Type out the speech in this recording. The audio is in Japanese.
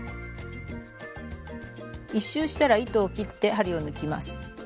１周したら糸を切って針を抜きます。